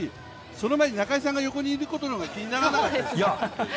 その前に、中居さんが横にいることの方が気にならないですか。